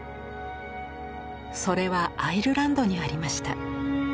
それはアイルランドにありました。